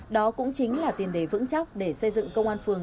đó cũng chính là tiền đề vững chắc để xây dựng công an phường